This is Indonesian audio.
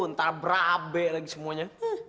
ntar berabe lagi semuanya